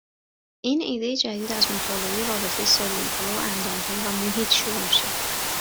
این ایده جدید از مطالعه رابطه سلولها، اندامها و محیط شروع میشه.